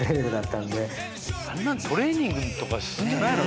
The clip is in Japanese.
トレーニングとかすんじゃないの？